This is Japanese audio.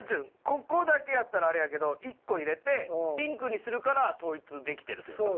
ここだけやったらあれやけど１個入れてピンクにするから統一できてるというか。